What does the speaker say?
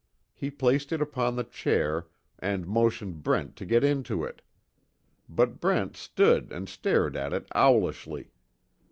He placed it upon the chair and motioned Brent to get into it. But Brent stood and stared at it owlishly.